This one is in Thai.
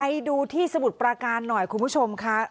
ไปดูที่สมุทรประการหน่อยคุณผู้ชมค่ะ